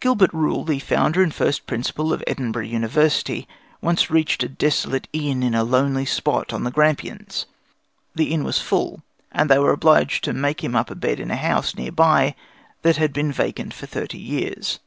Gilbert Rule, the founder and first Principal of Edinburgh University, once reached a desolate inn in a lonely spot on the Grampians. The inn was full, and they were obliged to make him up a bed in a house near by that had been vacant for thirty years.